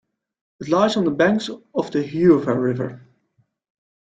It lies on the banks of the Huyva River.